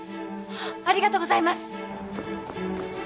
ありがとうございます！